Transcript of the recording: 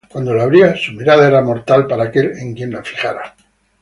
Cuando lo abría, su mirada era mortal para aquel en quien la fijara.